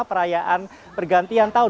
perayaan pergantian tahun dua ribu dua puluh tiga